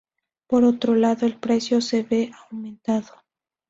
Por otro lado el precio se ve aumentado.